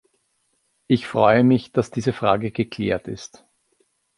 Ich freue mich, dass diese Frage geklärt ist.